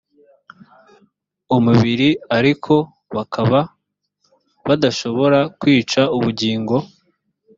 umubiri ariko bakaba badashobora kwica ubugingo